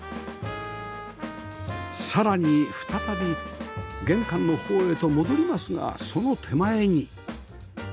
さらに再び玄関の方へと戻りますがその手前に